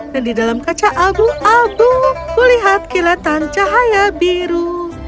dan di dalam kaca abu abu kulihat kilatan cahaya biru